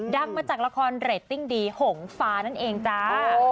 ดังมาจากละครเรตติ้งดีหงฟ้านั่นเองจ้า